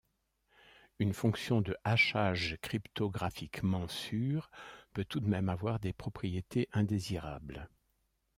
Une fonction de hachage cryptographiquement sûre peut tout de même avoir des propriétés indésirables.